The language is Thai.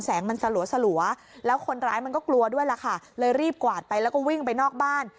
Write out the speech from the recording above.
มันสลัวแล้วคนร้ายมันก็กลัวด้วยล่ะค่ะเลยรีบกวาดไปแล้วก็วิ่งไปนอกบ้าน